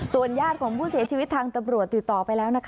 ญาติของผู้เสียชีวิตทางตำรวจติดต่อไปแล้วนะคะ